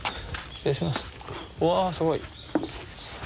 失礼します。